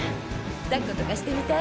抱っことかしてみたい？